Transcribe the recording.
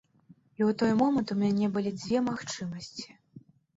І ў той момант у мяне былі дзве магчымасці.